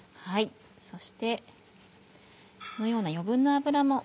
そしてこのような余分な脂も。